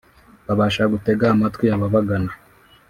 babasha gutega amatwi ababagana